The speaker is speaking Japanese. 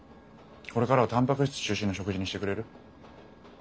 これからはタンパク質中心の食事にしてくれる？